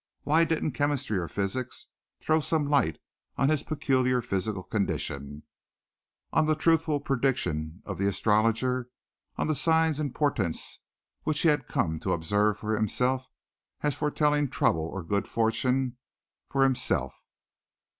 Why didn't chemistry or physics throw some light on his peculiar physical condition, on the truthful prediction of the astrologer, on the signs and portents which he had come to observe for himself as foretelling trouble or good fortune for himself.